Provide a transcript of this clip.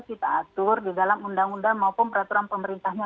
kita atur di dalam undang undang maupun peraturan pemerintahnya